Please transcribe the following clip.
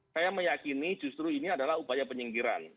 saya meyakini justru ini adalah upaya penyingkiran